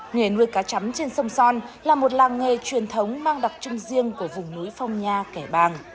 nghề nuôi cá chắm trên sông son là một làng nghề truyền thống mang đặc trưng riêng của vùng núi phong nha kẻ bàng